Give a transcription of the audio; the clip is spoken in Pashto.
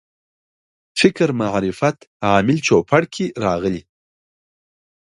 فکر معرفت عامل چوپړ کې راغلي.